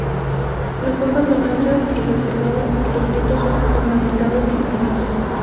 Las hojas son anchas y lanceoladas y los frutos son ornamentados y espinosos.